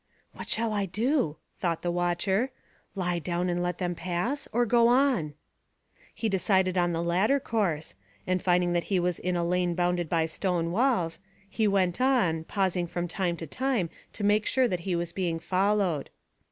"What shall I do?" thought the watcher; "lie down and let them pass, or go on?" He decided on the latter course, and finding that he was in a lane bounded by stone walls, he went on, pausing from time to time to make sure that he was being followed.